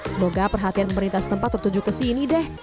semoga perhatian pemerintah setempat tertuju kesini deh